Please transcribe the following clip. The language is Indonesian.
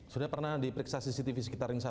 sudah pernah diperiksa cctv sekitar ring satu